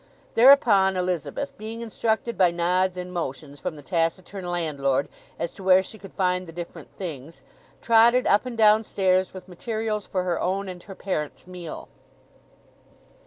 Thereupon Elizabeth, being instructed by nods and motions from the taciturn landlord as to where she could find the different things, trotted up and down stairs with materials for her own and her parent's meal.